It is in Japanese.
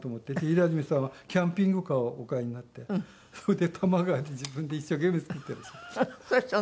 平泉さんはキャンピングカーをお買いになってそれで多摩川で自分で一生懸命作っているそうです。